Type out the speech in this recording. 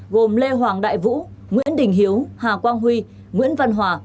gồm lê hoàng đại vũ nguyễn đình hiếu hà quang huy nguyễn văn hòa